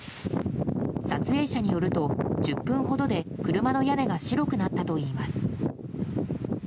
撮影者によると、１０分ほどで車の屋根が白くなったといいます。